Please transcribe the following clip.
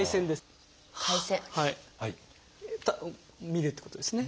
見るってことですね。